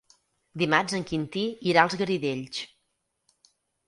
Dimarts en Quintí irà als Garidells.